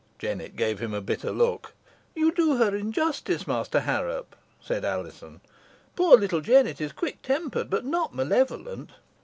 Jennet gave him a bitter look. "You do her injustice, Master Harrop," said Alizon. "Poor little Jennet is quick tempered, but not malevolent."